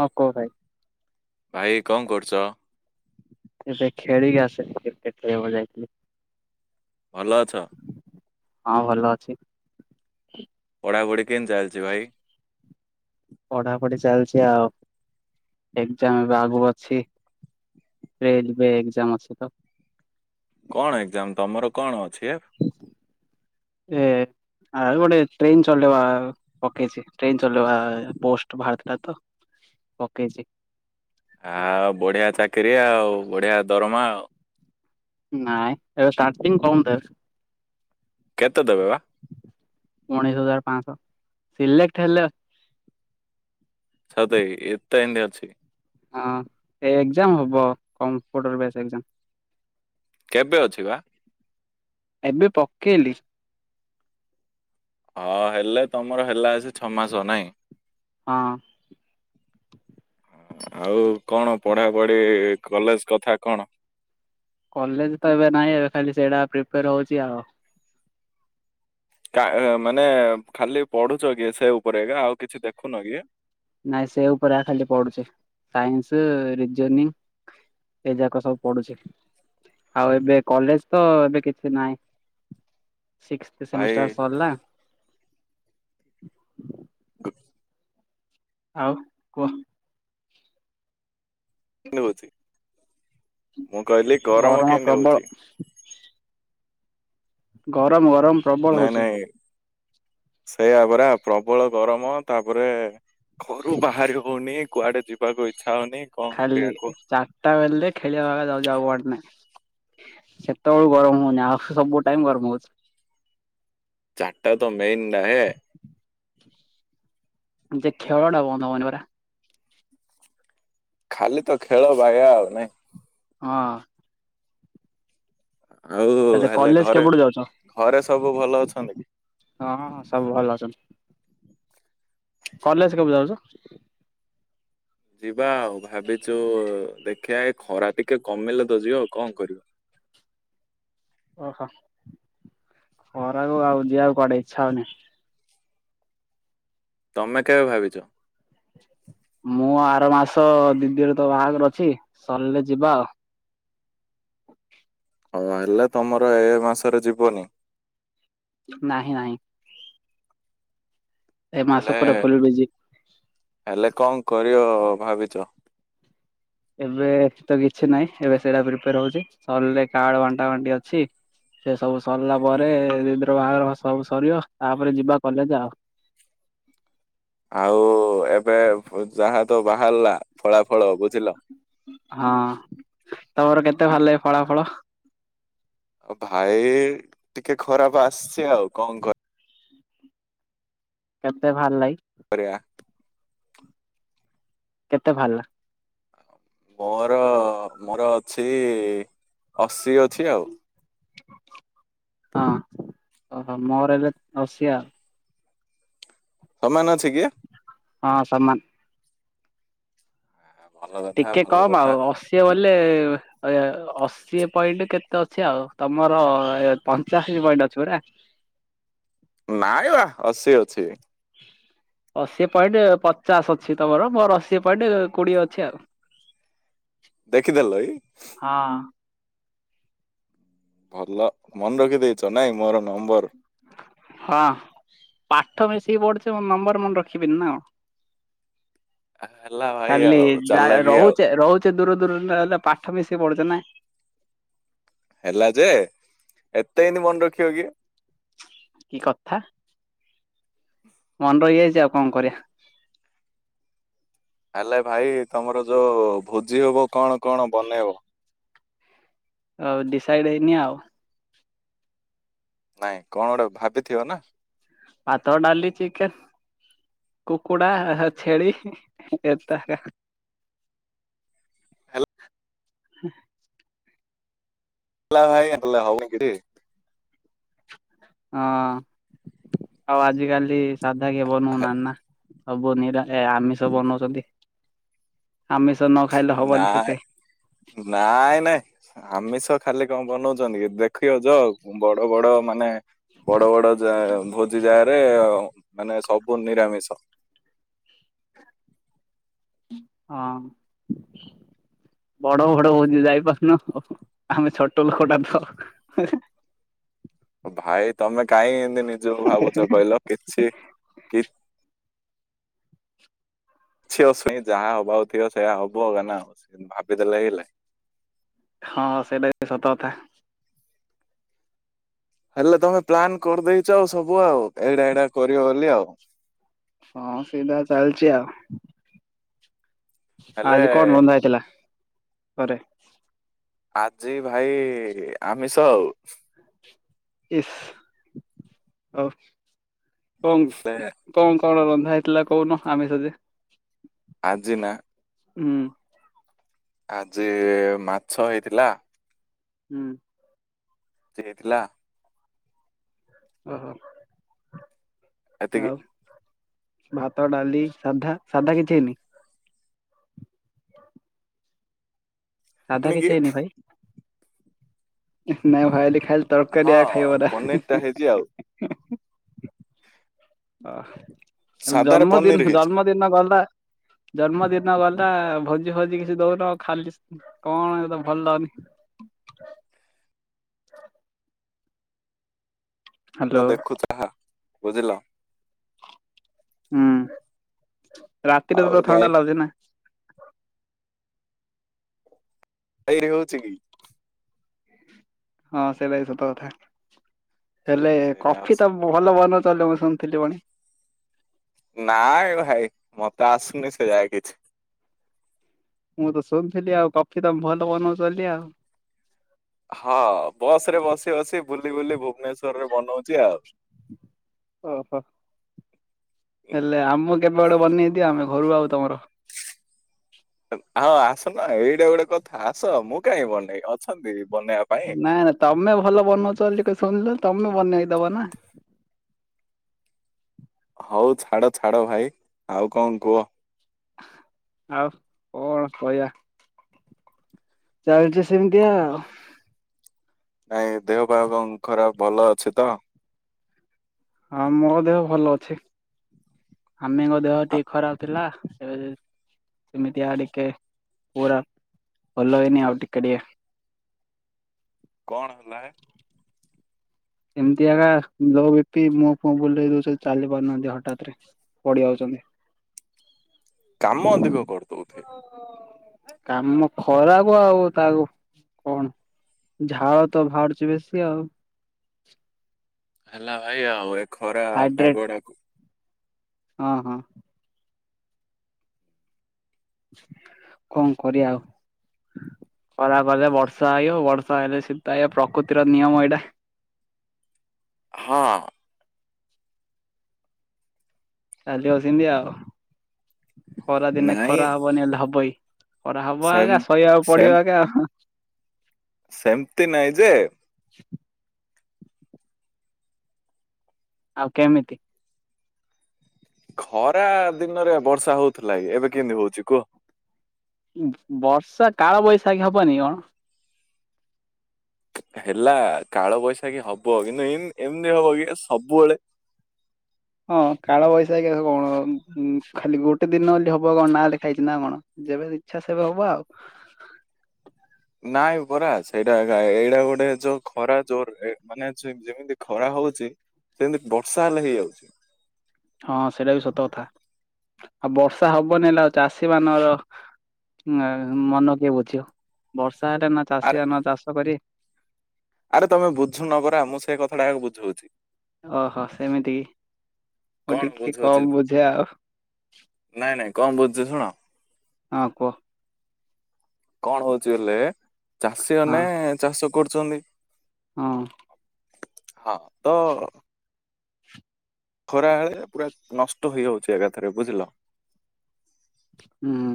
ହଁ କୋଉ ଭାଇ ଭାଇ କଣ କରୁଛ? ଏବେ ଖେଳିକି ଆସେ କ୍ରିକେଟ ଖେଳକୁ ଯାଇଥିଲି। ଭଲ ଅଛ? ହଁ ଭଲ ଅଛି। ପଢାପଢି କେମତି ଚାଲିଛି ଭାଇ? ପଢ଼ାପଢ଼ି ଚାଲିଛି ଆଉ ଏକ୍ଜାମ ଏବେ ଆଗୁ ଅଛି ଏବେ ଏବେ ଏକ୍ଜାମ ଅଛି ତ କଣ ଏକ୍ଜାମ ତମର କଣ ଅଛି ଆଉ ଏ ଆ ଗୋଟେ ଟ୍ରିନ ସ୍ଲଟ ପକେଇଛି ଟ୍ରିନ ସ୍ଲଟ ପୋଷ୍ଟ ବାହାରିଥିଲା ତ ପକେଇଛି। ଆଉ ବଢିଆ ଚାକିରି ଆଉ ବଢିଆ ଦରମା ଆଉ ନାଇଁ ଏବେ ଷ୍ଟଟି କଣ ଦେର କେତେ ଦେବେ ବା? ଉଣେଇଶ ହଜାର ପାଞ୍ଚଶହ ସିଲେକ୍ଟ ହେଲେ ସତ ଏତେ ଏମିତି ଅଛି। ହଁ ଏ ଏକ୍ସାମ ହବ କମ୍ପଟର ବାସ ଏକ୍ଜାମ କେବେ ଅଛି ବା? ଏବେ ପକେଇଲି। ହଁ ହେଲେ ତମର ହେଲା ଆ ଛଅ ମାସ ନାଇଁ ହଁ ଆଉ କଣ ପଢାପଢି କଲେଜ କଥା କଣ କଲେଜ ତ ଏବେ ନହିଁ ଏବେ ଖାଲି ସେଇଟା ପ୍ରିପେୟାର ହଉଛି ଆଉ ମାନେ ଖାଲି ପଢୁଛ କି ସେ ଉପରେକା ଆଉ କିଛି ଦେଖୁନ କି? ନାଇଁ ସେ ଉପରେ ଖାଲି ପଢୁଛି ସାଇନ୍ସ ରିଜନି ଏ ଯାକ ସବୁ ପଢୁଛି ଆଉ ଏବେ କଲେଜ ତ ଏବେ କିଛି ନହିଁ। ସିକ୍ସ୍ ଭାଇ ସେମିଷ୍ଟର କେମିତି ସରିଲା। [inaudible] କ ଆଉ କୁହ ନଭୂତି ମୁଁ କହିଲି ଗରମ କେମିତି ହଉଛି? ଗରମ ଗ ଗରମ ପ୍ରବଳ ହେଉଛି। ସେଇଆପରା ପ୍ରବଳ ଗରମ ତାପରେ ଘରୁ ବାହହାରି ହୋଉନି କୁଆଡେ ଯିବାକୁ ଇ ଖାଲି ଚାରିଟା ବେଲେ ଖେଳିବା ବେଳେ ଯାଉ ଆଉ ହାରି ନ ସେତେବେଳୁ ଗରମ ହଉନି ଆ ସବୁ ଟାଇମ ଗରମ ହଉଛି। ଚାରିଟା ତ ମେନ୍ ନା ହେଁ ଯେ ଖେଳ ଟା ବନ୍ଦ ହବନି ପରା ଖାଲି ତ ଖେଳ ବାଇୟା ଆଉ ନାଇଁ। ହଁ । ଆଉ ହେଲେ କଲେଜ ଘରେ କେପଠୁ ଯାଉଛ? ଘରେ ସବୁ ଭଲ ଅଛନ୍ତି କି? ହଁ ହଁ ସବୁ ଭଲ ଅ କଲେଜ କେବୁ ଯାଉଛ ଯିବା ଆଉ ଭାବିଛୁ ଦେଖିବା ଖରା ଟିକେ କମେଇିଲେ ତ ଯିବ ଆଉ କଣ କରିବ? ଓହୋ ଖରାକୁ ଆଉ ଯିବାକୁ କୁଆଡେ ଇଚ୍ଛା ହଉନି ତମେ କେବେ ଭାବିଛ ମୁଁ ଆର ମାସ ଦିଦି ର ତ ବାହାଘର ଅଛି ସରିଲେ ଯିବା ଆଉ । ହଁ ହେଲେ ତମର ଏ ମାସରେ ଯିବନି । ନାହିଁ ନାହିଁ ଏ ହେଲେ ମାସ ପୁଟା ଫୁଲ ବିଜି ହେଲେ କଣ କରିବ ଭାବିଚ? ଏବେ ତ କିଛି ନାହିଁ ଏବେ ସେଇଟା ପ୍ରିପେୟାର ହଉଛି ସରିଲରେ କାର୍ଡ ବାଣ୍ଟା ଫଣ୍ଟି ଅଛି । ସେ ସବୁ ସରିଲା ପରେ ଦିଦି ର ବାହାଘର ସବୁ ସରିବ ତାପରେ ଯିବା କଲେଜ ଆଉ। ଆଉ ଏବେ ଯାହା ତ ବାହାରିଲା ଫଳା ଫଳ ବୁଝିଲ । ହଁ ତମର କେତେ ଭଲ ଲାଗ ଫଳା ଫଳ ଆ ଭାଇ ଟିକେ ଖରାପ ଆସିଛେ ଆଉ କଣ କର କେତେ ଭଲ ଲାଗି କରିବା। କେତେ ଭାରିଲା ମୋର ମୋର ଅଛି ଅଶୀ ଅଛି ଆଉ । ହଁ ଓହୋ ମୋର ହେଲେ ରସିଆ ଆଉ ସମାନ ଅଛି କି? ହଁ ସମାନ ଭଲ କଥା ଟିକେ ଭଲ କମ୍ କଥା ଆଉ ଅଶୀ ବଲେ ଅଶୀ ପଏଣ୍ଟ କେତେ ଅଛି ଆଉ ତମର ପଞ୍ଚାଶୀ ପଏଣ୍ଟ ଅଛି ପରା । ନାଇ ବା ଅଶୀ ଅଛି । ଅଶି ପଏଣ୍ଟ ପଚାଶ ଅଛି ତମର ମୋର ଅଶି ପଏଣ୍ଟ କୋଡିଏ ଅଛି ଆଉ । ଦେଖିଦେଲ ଏଇ ଭଲ ମନେ ରଖି ଦେଇେଛ ନାଇଁ ମୋର ନମ୍ବର ହଁ ପାଠ ବେଶିକି ପଢୁଛ ମୁ ନମ୍ବର ମୁ ରଖିବନି ନା ଆ ହେଲା ଭାଇ ଖାଲି ଆଉ ଯ ଚାଲାକି ଆଉ ରହୁଛେ ରହୁଛେ ଦୂର ଦୂରରେ ହେଲେ ପାଠ ମିଶ ପଡଚ ନା ହେଲା ଯେ ଏତେ ଏନି ମନେ ରଖିବ କି? କି କଥା ମନେ ରହିଯାଇଛି ଆଉ କଣ କରିବା! ହେଲେ ଭାଇ ତମର ଯୋଉ ଭୋଜି ହବ କଣ କଣ ବନେଇବ ହଉ ଡିସାଇଡ ହେଇନି ଆଉ ନାଇଁ କଣ ଗୋଟେ ଭାବିଥିବ ନା ପାାତ ଡାଲି ଚିକେନ କୁକୁଡ଼ା ଛେଳି ଏ ହାଇ ହଉ କେ ହଁ ଆଉ ଆଜିକାଲି ଶଧ୍ୟାଗ ବନୁ ନ ନା ସବୁ ନିିରା ଏ ଆମିଷ ବନାଉଛନ୍ତି! ଆମିଷ ନ ଖାଇଲେ ହବନି ନାଇଁ ସେତେ ନାଇଁ ନାଇଁ ଆମିଷ ଖାଲି କଣ ବନଉଛନ୍ତି। କି ଦେଖଅ ଯ ବଡ ବଡ ମାନେ ବଡ ବଡ ଯ ଭୋଜି ଜାଗାରେ ମାନେ ସବୁ ନିରାମିଷ। ହଁ ବଡ ବଡ ହଉଛି ଯାଇପାରୁନ ଆମେ ଛୋଟ ଲୋକଟା ତ ଭାଇ ତମେ କାହିଁ ତି ନିଜେ ଭାବୁଛ କହିଲ କିଛି କି ଝଅ ସାଇଁ ଯାହା ହବାକୁ ଥିବ ସେଇୟା ହବ କ ନା ଭାବିଦେଲେ ହେଲା ହଁ ସେଇଟା ବି ସତ କଥା। ହେଲେ ତମେ ପ୍ଲାନ୍ କରିଦେଇଛ ଆଉ ସବୁ ଆଉ ଏଇଡା ଏଇଡା କରିବ ବୋଲି ଆଉ। ହଁ ସିଧା ଚାଲଛି ଆଉ। ହେଲେ ଆଜି କଣ ରନ୍ଧା ହେଇଥିଲା। ପରେ ଆଜି ଭାଇ ଆମିଷ ଆଉ। ଇସ୍ ଆଉ। ହେଲେ କଙ୍କ କଙ୍କ। କଳ ରନ୍ଧା ହେଇଥିଲା କହୁନ ଆମିଷ ଯେ ଆର୍ଜିନା। ହୁଁ। ଆଜି ମାଛ ହେଇଥିଲା। ହୁଁ। ସେଥିଲା। ଓ ହୋ। ଆଉ। ଏତିକି। ଭାତ ଡାଲି ସାଧା ସାଧା କିଛି ହେଇନି। ସାଧା କିଛି ହେଇନି ଭାଇ। ନାଇଁ ଭାଇ ଲଖା ଖାଲି ତରକାରି ଆ ହଁ ଖାଇ ବରା। ପନିର ଟା ହେଇଛି ଆଉ ଅ ସାଧାରେ ପନିର ଜନ୍ମଦିନ ହେଇଛି ଜନ୍ମଦିନ ଗଲା। ଜନ୍ମଦିନ ଗଲା ଭୋଜି ଭୋଜି କିଛି ଦଉନ ଖାଲି କଣ ତ ଭଲ ଲାଗୁନି। ତ ହ୍ୟାଲୋ ଦେଖୁ ତାହା ବୁଝିଲ। ହୁଁ। ରାତିରେ ଆଉ ତ ତ ଯାଇ ଥଣ୍ଡା ଲାଗୁଛି ନା। ଯାଇ ହଉଛି କି? ହଁ ସେଇ ଭାଇ ସତ କଥା। ହେଲେ ସେଇଟା କଫି ତ ଆସ- ଭଲ ବନ କଲେବସନ ଥିଲିବାଣି। ନାଇଁ ଭାଇ ମତେ ଆସୁନି ସେ ଯାଏ କିଛି ମୁଁ ତ ଶୁଣିଥିଲି ଆଉ କଫି ତମେ ଭଲ ବନଉଚ୍ ବୋଲି ଆଉ। ହଁ ବସ ରେ ବସି ବସି ବୁଲି ବୁଲି ଭୁବନେଶ୍ଵର ସ୍ଵରରେ ବନଉଛି ଆଉ। ଓହୋ ହେଲେ ଆମକୁ କେବେ ଗୋଟେ ବନେଇ ଦିଅ ଆମେ ଘରୁ ଆଉ ତମର ହଁ ଆସନ୍ତୁ ଆଁ ଏଇଟା ଗୋଟେ କଥା ଆସ ମୁଁ କାହିଁ ବନେଇ ଅଛନ୍ତି। ବନେଇବା ପାଇଁ ନାଇଁ ନାଇଁ ତମେ ଭଲ ବନଉଚ ବୋଲି ପା ଶୁଣିଲୁ। ତମେ ବନେଇ ଦବ ନା‌ ହଉ ଛାଡ ଛାଡ ଭାଇ ଆଉ କଣ କୁହ? ଆଉ କଣ କହିବା? ଚାଲିଚ ସେମିତି ଆଉ। ନାଇଁ ଦେହପା କନ୍ ଖରାପ ଭଲ ଅଛି ତ। ହଁ ମୋ ଦେହ ଭଲ ଅଛି। ମମିଙ୍କ ଦେହ ଆ- ଟିକେ ଖରାପ ଥିଲା। ଏଏ ସେମିତି ଆଡିକେ ପୁରା ଭଲ ହେଇନି ଆଉ ଟିକେ ଟିକେ କଣ ହେଲା? ଏମିତି ଆଗା ଲୋ ବିପି ମୁଁହ ଫୁଅ ବୁଲେଇଦୋଉଛନ୍ତି ଚାଲି ପାରୁନାହାନ୍ତି ହଠାତରେ ପଡି ଯାଉଛନ୍ତି। କାମ ଅଧିକ କର ଓହୋ କାମ ଖରାକୁ ଆଉ ତାକୁ କଣ ଝାଳ ତ ବାହାରୁଛି ବେଶୀ ଆଉ। ହେଲା ଭାଇ ଆଉ ଏକ ଖରା ହାଇଡ୍ରେଟ ପାଗଡ଼ାକୁ ହଁ ହଁ। କଣ କରିବା ଆଉ ଖରା ବଲେ ବର୍ଷା ଆଇିବ ବର୍ଷା ଆଇଲେ ଶୀତ ଆଇବ ପ୍ରକୃତିର ନିୟମ ଏଇଟା‌। ହଁ। ଚାଲି ଅସିନ୍ତି ଆଉ। ଖରାଦିନେ ନାଇଁ ଖରା ହବନି ହେଲେ ହବଇ ଖରା ହବ ସେମ୍ ଆଗା ସହିବାକୁ ପଡିବ ଆଗା ଅହଁ। ସେମତି ନାଇଁ ଯେ। [unintelligible] ଆଉ କେମିତି ଖରା ଦିନରେ ବର୍ଷା ହଉଥିଲା କି ଏବେ କେମିତି ହଉଛି କୁହ ବର୍ଷା କାଳ ବୈଶାଖୀ ହବନି କଣ? ହେଲା କାଳ ବଇଶାଖି କି ହବ କିନ୍ତୁ ଏମିତି ହବ କି ସବୁବେଳେ? ହଁ କାଳ ବୈଶାଖୀ ହଣ କଣ ଖାଲି ଗୋଟେ ଦିନ ବୋଲି ହବ କଣ ନା ଲେଖାହାଇଛି ନା କଣ ଯେବେ ଇଚ୍ଛା ସେବେ ହବ ଆଉ। ନାଇଁ ପରା ସେଇଟା ଏଗା ଏଇଟା ଗୋଟେ ଯୋଉ ଖରାଜୋରରେ ମାନେ ଜୁଇ ଯେମିତି ଖରା ହଉଚି ସେମିତି ବର୍ଷା ହେଲେ ହେଇଯାଉଚି। ହଁ ସେଇଟା ବି ସତ କଥା ଆଉ ବର୍ଷା ହବନି ହେଲେ ଆଉ ଚାଷୀ ମାନର ନାଇ ମନ କିଏ ବୁଝବ ବର୍ଷ ଚାଟ ନା ଆରେ ଚାଷୀଆ ନ ଚାଷ କରି। ଆରେ ତମେ ବୁଝୁନ ପରା ମୁଁ ସେ କଥାଟାକୁ ବୁଝଉଛି। ଓହୋ ସେମିତି କି ମୁଁ କଣ ଟିକେ ବୁଝଉଛି କମ୍ ବୁଝେ ଆଉ। ବୁଝଉଛି ଶୁଣ। ହଁ କୁହ। କଣ ହଉଛି ବଲେ ଚାଷୀ ହଁ ମାନେ ଚାଷ କରୁଛନ୍ତି । ହଁ। ହଁ। ତ ଖରା ହେଳେ ପୁରା ନଷ୍ଟ ହେଇଯାଉଛି ଏକାଥରେ ବୁଝିଲ। ହୁଁ।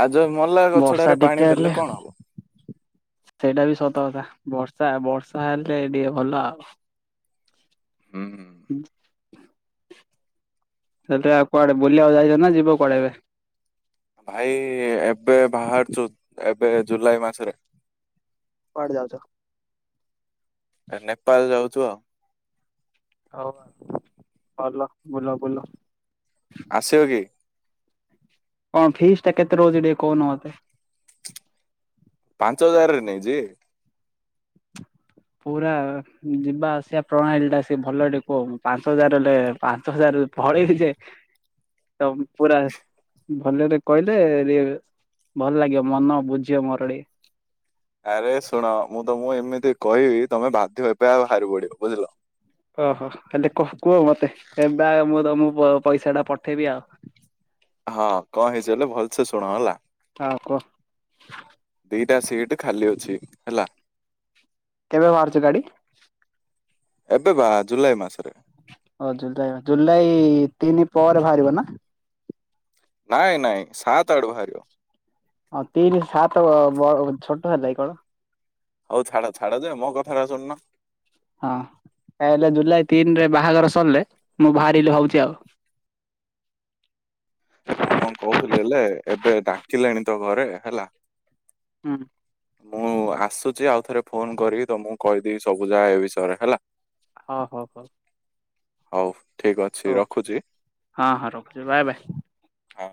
ଆଉ ଯୋଉ ମଲା ଗଛଟାରେ ବର୍ଷା ପାଣି ଟିକେ ଦେଲେ ହେଲେ କଣ ହବ? ସେଇଟା ବି ସତ କଥା ବର୍ଷା ବର୍ଷା ବର୍ଷା ହେଲେ ଟିକେ ଭଲ ଆଉ। ହୁଁ। ସେଇଟା କୁଆଡେ ବୁଲିବାକୁ ଯାଇଛ ନା ଯିବ କୁଆଡେ ଏବେ? ଭାଇ ଏବେ ବାହାରୁଛୁ ଏବେ ଜୁଲାଇ ମାସରେ କୁଆଡ଼େ ଯାଉଛ? ନେପାଳ ଯାଉ ଚୁ ଆଉ। ହଉ ଭଲ ବୁଲ ବୁଲ। ଆସିବ କି? କଣ ଫିସ୍ ଟା କେତେ ରହୁଛି ଟିକେ କହୁନ ମତେ? ପାଞ୍ଚ ହଜାରରେ ନାଇଁ ଯେ ପୁରା ଯିବା ଆସିବା ପ୍ରଣାଳୀ ଟା ସେ ଭଲ ଟିକେ କୁହ ପାଞ୍ଚ ହଜାର ହେଲେ ପାଞ୍ଚ ହଜାର ପଳେଇବି ଯେ ତ ପୁରା ଭଲରେ କହିଲେ ଟିକେ ଭଲ ଲାଗିବ ମନ ବୁଝିବ ମୋର ଟିକେ । ତ ମୁଁ ଏମିତି କହିବି ତମେ ବାଧ୍ୟ ଏବେ ବାହାରି ପଡିବ ବୁଝିଲ। ଓହୋ ତାହେଲେ କୁହ ମତେ ଏବେ ମୁଁ ତମକୁ ପଇସା ଟା ପଠେ ହଁ କଣ ହେଇଛି ବଲେ ଭଲସେ ଶୁଣ ହେଲା ହଁ କୁହ ଦିଟା ସିଟ ଖାଲି ଅଛି ହେଲା । କେବେ ବାହାରୁଛି ଗାଡି? ଏବେ ବା ଜୁଲାଇ ମାସରେ । ହଁ ଜୁଲାଇ ମାସ ଜୁଲାଇ ତିନି ପରେ ବାହାରିବ ନା ନାଇଁ ନାଇଁ ସାତ ଆଡ଼କୁ ବାହାରିବ। ଆଉ ତିନି ରୁ ସାତ ଛୋଟ ହେଲା ଏ କଣ? ହଉ ଛାଡ ଛାଡ ଯେ ମୋ କଥାଟା ଶୁଣୁନ । ହଁ ତାହେଲେ ଜୁଲାଇ ତିନି ରେ ବାହାଘର ସରିଲେ ମୁଁ ବାହାରିଲି ଭାବୁଛି ଆଉ। [inaudible] ମୁଁ କଣ କହୁଥିଲି ହେଲେ ଏବେ ଡାକିଲେଣି ତ ଘରେ ହେଲା ହୁଁ। ମୁଁ ଆସୁଛି ଆଉ ଥରେ ଫୋନ କରିକି ତମକୁ କହିଦେବି ସବୁ ଜାଗା ଏ ବିଷୟରେ ହେଲା। ହଁ ହଁ ହଁ। ହଉ। ଠିକ ଅଛି ହଉ ରଖୁଛି ହଁ ହଁ ରଖୁଛି ବାଏ ବାଏ। ହଁ।